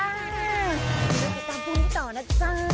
คุณผู้ชมตามที่นี่ต่อนะจ๊ะ